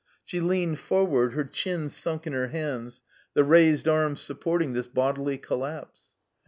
She leaned forward, her chin sunk in her hands, the raised arms supporting this bodily col lapse.